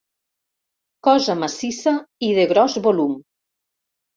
Cosa massissa i de gros volum.